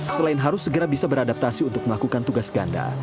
selain harus segera bisa beradaptasi untuk melakukan tugas ganda